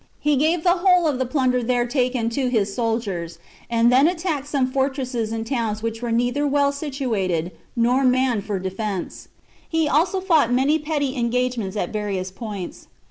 He gave the whole of the plunder there taken to his soldiers, and then attacked some fortresses and towns which were neither well situated, nor manned for defence ; he also fought many petty engagements at various points.